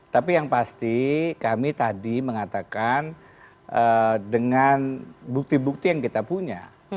tapi yang pasti kami tadi mengatakan dengan bukti bukti yang kita punya